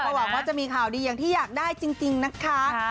หวังว่าจะมีข่าวดีอย่างที่อยากได้จริงนะคะ